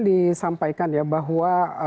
disampaikan ya bahwa